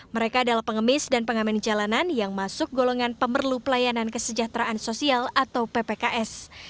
mereka adalah pengemis dan pengamen jalanan yang masuk golongan pemerlu pelayanan kesejahteraan sosial atau ppks